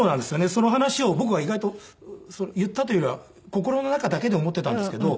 その話を僕は意外と言ったというよりは心の中だけで思っていたんですけど。